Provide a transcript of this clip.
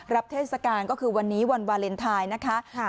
เทศกาลก็คือวันนี้วันวาเลนไทยนะคะ